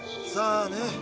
さあね。